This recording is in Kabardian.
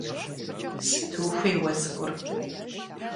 Сыт ухуей уэ цӀыкӀур?